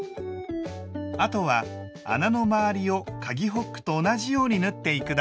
あとは穴の周りをかぎホックと同じように縫っていくだけ。